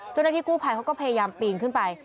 เจ้าหน้าที่กู้ภัยเขาก็พยายามปีนขึ้นไป